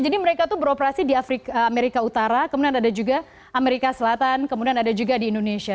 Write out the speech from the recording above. jadi mereka tuh beroperasi di amerika utara kemudian ada juga amerika selatan kemudian ada juga di indonesia